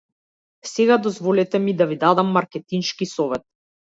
Сега дозволете ми да ви дадам маркетиншки совет.